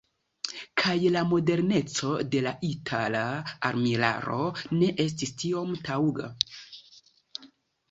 Kaj la moderneco de la itala armilaro ne estis tiom taŭga.